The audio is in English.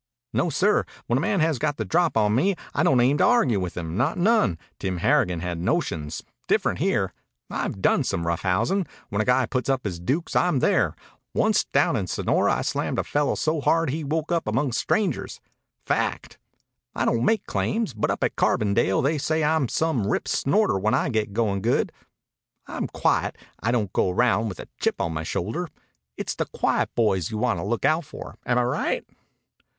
"No, sir. When a man has got the drop on me I don't aim to argue with him. Not none. Tim Harrigan had notions. Different here. I've done some rough housin'. When a guy puts up his dukes I'm there. Onct down in Sonora I slammed a fellow so hard he woke up among strangers. Fact. I don't make claims, but up at Carbondale they say I'm some rip snorter when I get goin' good. I'm quiet. I don't go around with a chip on my shoulder. It's the quiet boys you want to look out for. Am I right?"